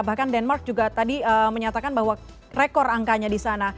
bahkan denmark juga tadi menyatakan bahwa rekor angkanya di sana